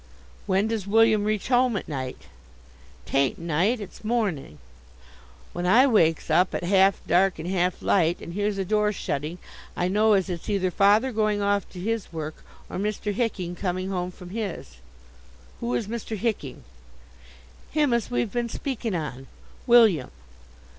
"When does William reach home at night?" "'Tain't night; it's morning. When I wakes up at half dark and half light and hears a door shutting I know as it's either father going off to his work or Mr. Hicking coming home from his." "Who is Mr. Hicking?" "Him as we've been speaking on William.